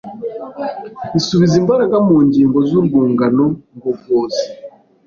isubiza imbaraga mu ngingo z’urwungano ngogozi.